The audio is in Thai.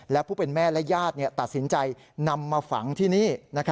และผู้เป็นแม่และญาติตัดสินใจนำมาฝังที่นี่